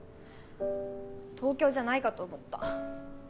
東京じゃないかと思った。